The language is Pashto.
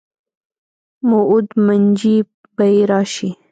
موعود منجي به یې راشي.